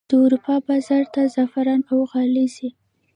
د اروپا بازار ته زعفران او غالۍ ځي